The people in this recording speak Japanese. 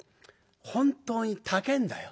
本当に高えんだよ。